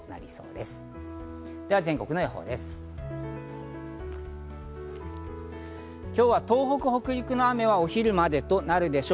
では、全国の予報です。